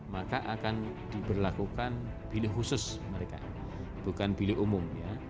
maka akan diberlakukan bilik khusus mereka bukan bilik umum